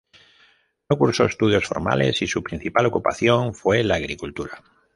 No cursó estudios formales y su principal ocupación fue la agricultura.